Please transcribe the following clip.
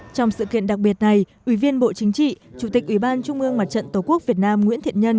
trong sự kiện đặc biệt này ủy viên bộ chính trị chủ tịch ủy ban trung ương mặt trận tổ quốc việt nam nguyễn thiện nhân